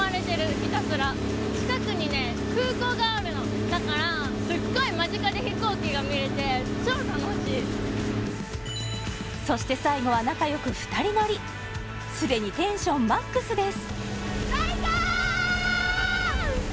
ひたすらだからすっごい間近で飛行機が見れて超楽しいそして最後は仲良く２人乗りすでにテンションマックスです